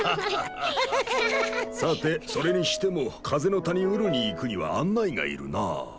さてそれにしても風の谷ウルに行くには案内が要るなあ。